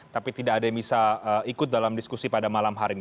tapi tidak ada yang bisa ikut dalam diskusi pada malam hari ini